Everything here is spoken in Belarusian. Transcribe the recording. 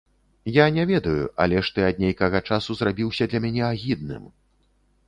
Я не ведаю, але ж ты ад нейкага часу зрабіўся для мяне агідным.